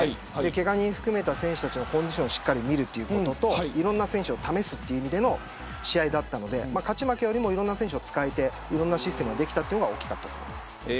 けが人を含めた選手たちのコンディションを見ることといろんな選手を試す意味での試合だったので勝ち負けよりもいろんな選手を使えていろんなシステムができたのが大きかったと思います。